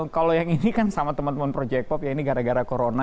kalau yang ini kan sama teman teman project pop ya ini gara gara corona